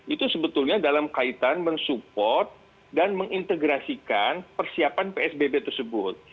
itu sebetulnya dalam kaitan mensupport dan mengintegrasikan persiapan psbb tersebut